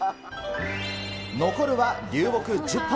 残るは流木１０本。